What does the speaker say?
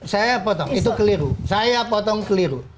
saya potong itu keliru saya potong keliru